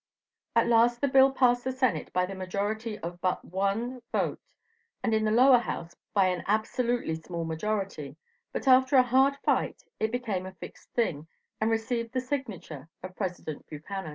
At last the bill passed the Senate by the majority of but one vote, and in the Lower House by an absolutely small majority, but after a hard fight it became a fixed thing, and received the signature of President Buchanan.